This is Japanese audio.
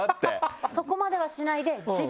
そこまではしないで。